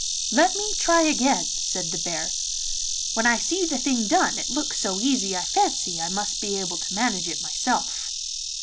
'Let me try again,' said the bear; 'when I see the thing done it looks so easy I fancy I must be able to manage it myself.